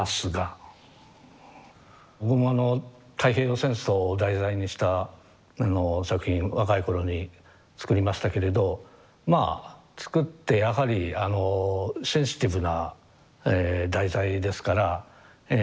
僕もあの太平洋戦争を題材にした作品若い頃に作りましたけれどまあ作ってやはりあのセンシティブなえ題材ですからえ